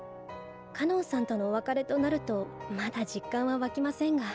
かのんさんとのお別れとなるとまだ実感は湧きませんが。